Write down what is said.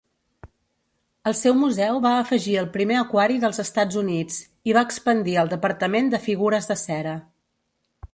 El seu museu va afegir el primer aquari dels Estats Units i va expandir el departament de figures de cera.